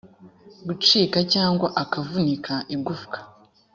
gucika cyangwa akavunika igufwa